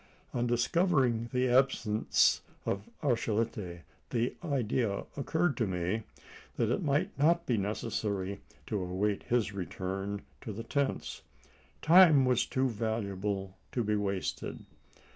On discovering the absence of Archilete, the idea occurred to me, that it might not be necessary to await his return to the tents. Time was too valuable to be wasted.